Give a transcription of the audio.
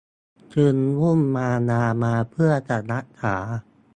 จึงอุ้มมารดามาเพื่อจะรักษา